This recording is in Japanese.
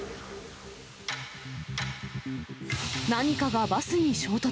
何かがバスに衝突。